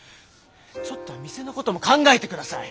ちょっとは店のことも考えてください。